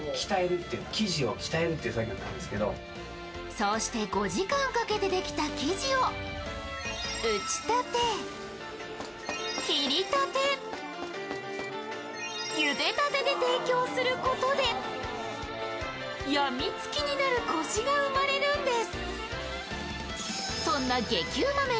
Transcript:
そうして５時間かけてできた生地を打ちたて、切りたて、ゆでたてで提供することで病みつきになるコシが生まれるんです。